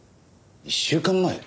１週間前？